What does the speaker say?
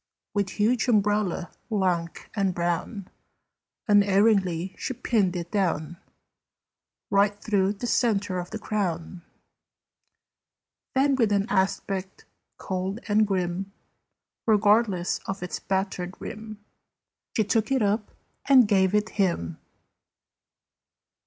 With huge umbrella, lank and brown, Unerringly she pinned it down, Right through the centre of the crown. Then, with an aspect cold and grim, Regardless of its battered rim, She took it up and gave it him.